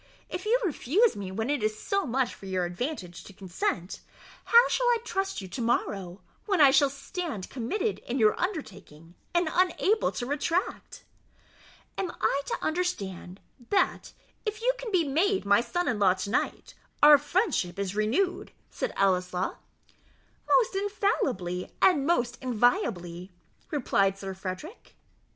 If you refuse me when it is so much for your advantage to consent, how shall I trust you to morrow, when I shall stand committed in your undertaking, and unable to retract?" "And I am to understand, that, if you can be made my son in law to night, our friendship is renewed?" said Ellieslaw. "Most infallibly, and most inviolably," replied Sir Frederick.